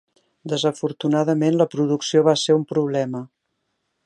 Desafortunadament, la producció va ser un problema.